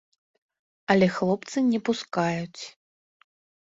Але хлопцы не пускаюць.